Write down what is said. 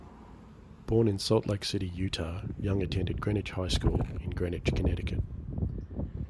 Born in Salt Lake City, Utah, Young attended Greenwich High School in Greenwich, Connecticut.